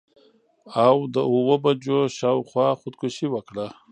او د اووه بجو شا او خوا خودکشي وکړه.